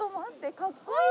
かっこいい！